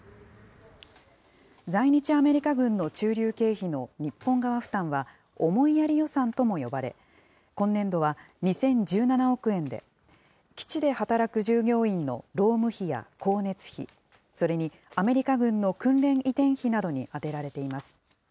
在日アメリカ軍の駐留経費の日本側負担は、思いやり予算とも呼ばれ、今年度は２０１７億円で、基地で働く従業員の労務費や光熱費、それにアメリカ軍の訓練移転費などに充てられています。